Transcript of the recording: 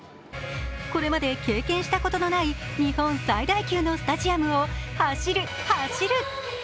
これまで経験したことのない日本最大級のスタジアムを走る、走る！